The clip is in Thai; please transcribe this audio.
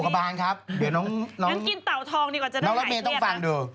ปวดกระบานครับเดี๋ยวน้องน้องรอดเมนต้องฟังดู